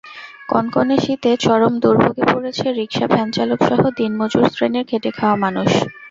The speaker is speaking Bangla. কনকনে শীতে চরম দুর্ভোগে পড়েছে রিকশা-ভ্যানচালকসহ দিনমজুর শ্রেণীর খেটে খাওয়া মানুষ।